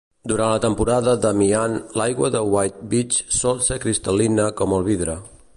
Durant la temporada d'Amihan, l'aigua de White Beach sol ser cristal·lina com el vidre.